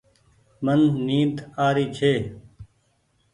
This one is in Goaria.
من نيد آري ڇي ۔